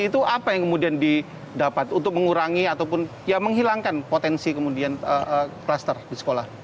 itu apa yang kemudian didapat untuk mengurangi ataupun ya menghilangkan potensi kemudian kluster di sekolah